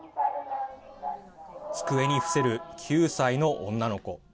机に伏せる９歳の女の子。